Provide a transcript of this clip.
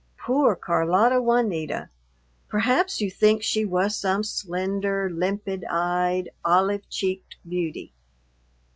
Poor Carlota Juanita! Perhaps you think she was some slender, limpid eyed, olive cheeked beauty.